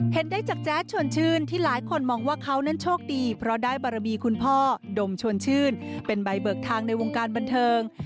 เห็นได้จากแจ๊ดชวนชื่นที่หลายคนมองว่าเขานั้นโชคดีเพราะได้บารมีคุณพ่อดมชวนชื่นเป็นใบเบิกทางในวงการบันเทิง